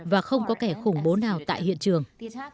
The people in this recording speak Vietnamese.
và không có kẻ khủng bố nào tại hiện trường